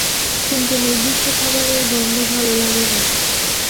কিছু নির্দিষ্ট খাবারের গন্ধ ভালো লাগে না।